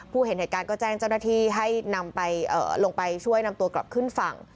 เห็นเหตุการณ์ก็แจ้งเจ้าหน้าที่ให้นำไปลงไปช่วยนำตัวกลับขึ้นฝั่ง